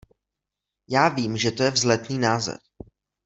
Já vím že to je vzletný název.